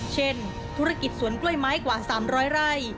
เช่นธุรกิจสวนกล้วยไม้กว่า๓๐๐ไร่